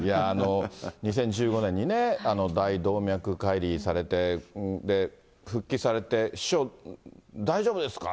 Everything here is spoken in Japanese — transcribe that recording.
２０１５年にね、大動脈解離されて、復帰されて、師匠、大丈夫ですか？